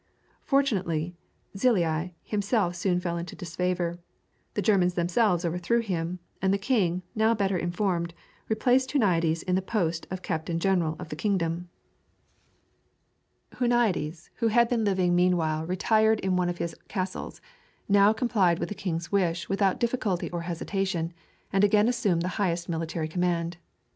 Fortunately Czillei himself soon fell into disfavor; the Germans themselves overthrew him; and the king, now better informed, replaced Huniades in the post of Captain General of the Kingdom. Huniades, who had been living meanwhile retired in one of his castles, now complied with the king's wish without difficulty or hesitation, and again assumed the highest military command.